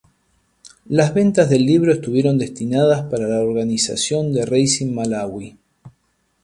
Las ventas del libro estuvieron destinadas para la organización de Raising Malawi.